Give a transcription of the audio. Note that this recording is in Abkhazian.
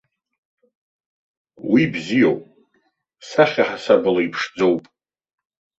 Уи бзиоуп, сахьа ҳасабала иԥшӡоуп.